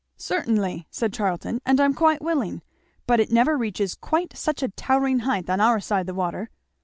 "Certainly!" said Charlton, "and I'm quite willing but it never reaches quite such a towering height on our side the water."